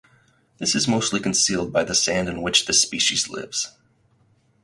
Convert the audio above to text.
This is mostly concealed by the sand in which this species lives.